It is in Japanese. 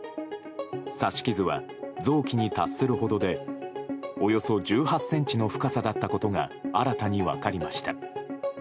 刺し傷は臓器に達するほどでおよそ１８ｃｍの深さだったことが新たに分かりました。